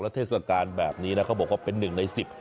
เทศกาลแบบนี้นะเขาบอกว่าเป็นหนึ่งในสิบ